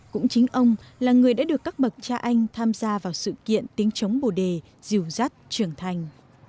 cũng chính ông là người đã được các bậc cha anh tham gia vào sự kiện tiếng chống bồ đề diều dắt trưởng thành